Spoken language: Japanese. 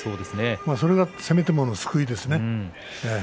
それがせめてもの救いですね。